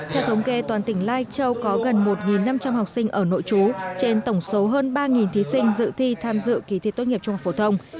theo thống kê toàn tỉnh lai châu có gần một năm trăm linh học sinh ở nội trú trên tổng số hơn ba thí sinh dự thi tham dự kỳ thi tốt nghiệp trung học phổ thông